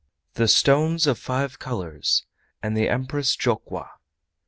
THE STONES OF FIVE COLORS AND THE EMPRESS JOKWA.